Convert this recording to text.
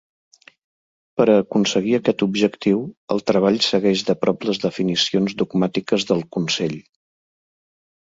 Per a aconseguir aquest objectiu, el treball segueix de prop les definicions dogmàtiques del Consell.